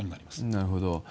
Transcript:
なるほど。